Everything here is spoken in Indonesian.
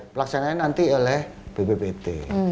pelaksananya nanti oleh bbbt